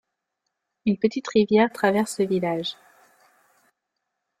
Une petite rivière traverse le village.